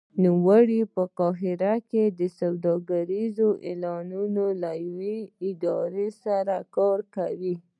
نوموړی په قاهره کې د سوداګریزو اعلاناتو له یوې ادارې سره کار کوي.